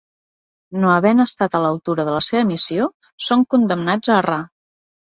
No havent estat a l'altura de la seva missió, són condemnats a errar.